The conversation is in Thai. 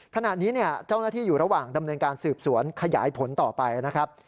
ขณะนี้เจ้าหน้าที่อยู่ระหว่างดำเนินการสืบสวนขยายผลต่อไปนะครับ